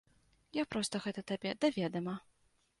Я проста гэта табе да ведама.